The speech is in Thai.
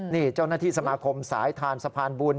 นี่เจ้าหน้าที่สมาคมสายทานสะพานบุญ